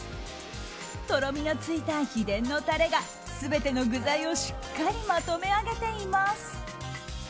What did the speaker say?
とろみのついた秘伝のタレが全ての具材をしっかりまとめ上げています。